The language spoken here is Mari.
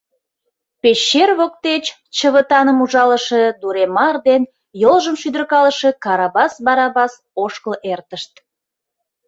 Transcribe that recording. Пещер воктеч чывытаным ужалыше Дуремар ден йолжым шӱдыркалыше Карабас Барабас ошкыл эртышт.